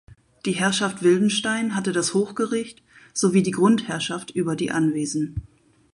Die Herrschaft Wildenstein hatte das Hochgericht sowie die Grundherrschaft über die Anwesen.